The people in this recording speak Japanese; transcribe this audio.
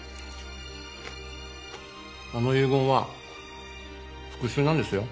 あの遺言は復讐なんですよ。